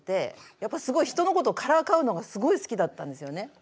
やっぱすごい人のことをからかうのがすごい好きだったんですよね。